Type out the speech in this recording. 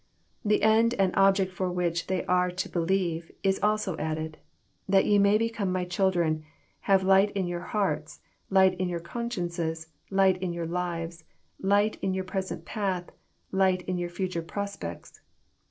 The end and object for which they are to be lieve is also added, " That ye may become my children, have light in your hearts, light In yonr consciences, light in your lives, light on your present path, light in your future pros pects."